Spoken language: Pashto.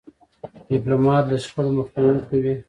ډيپلومات له شخړو مخنیوی کوي.